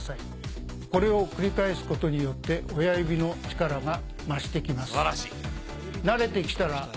これを繰り返すことによって親指の力が増してきます。